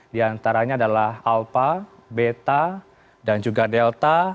di antaranya adalah alpha beta dan juga delta